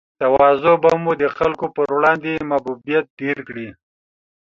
تواضع به مو د خلګو پر وړاندې محبوبیت ډېر کړي